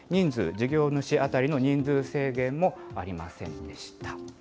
事業主当たりの人数制限もありませんでした。